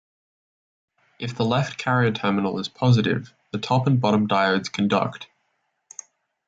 If the left carrier terminal is positive, the top and bottom diodes conduct.